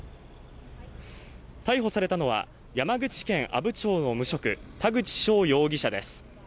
逮捕されたのは山口県阿武町の無職田口翔容疑者です